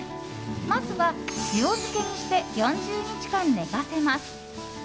まずは塩漬けにして４０日間寝かせます。